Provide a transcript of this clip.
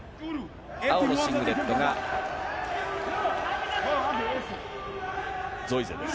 青のシングレットがゾイゼです。